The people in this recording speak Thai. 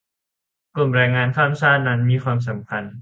กลุ่มแรงงานข้ามชาตินั้นมีความสำคัญ